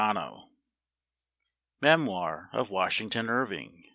120 Memoir of Washington Irving.